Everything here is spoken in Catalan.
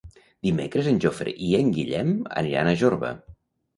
Dimecres en Jofre i en Guillem aniran a Jorba.